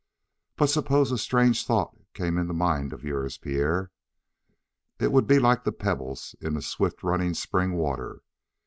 "But suppose a strange thought came in the mind of your Pierre. It would be like the pebbles in swift running spring water.